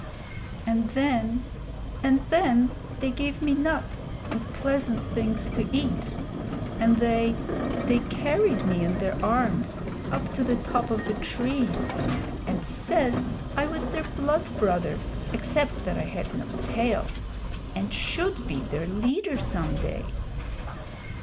"And then, and then, they gave me nuts and pleasant things to eat, and they they carried me in their arms up to the top of the trees and said I was their blood brother except that I had no tail, and should be their leader some day."